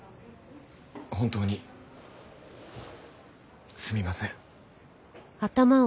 本当にすみません。